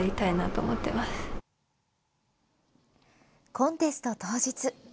コンテスト当日。